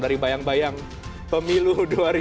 dari bayang bayang pemilu